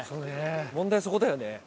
問題はそこだよね。